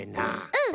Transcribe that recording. うん！